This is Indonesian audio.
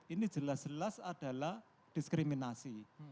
ini jelas jelas adalah diskriminasi